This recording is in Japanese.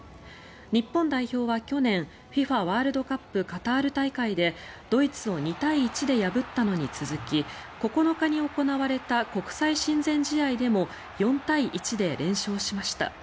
日本代表は去年ＦＩＦＡワールドカップカタール大会でドイツを２対１で破ったのに続き９日に行われた国際親善試合でも４対１で連勝しました。